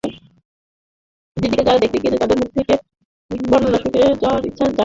দিতিকে যারা দেখতে গিয়েছে তাদের মুখ থেকে বেদনাদায়ক বর্ণনা শুনে, যাওয়ার ইচ্ছা জাগেনি।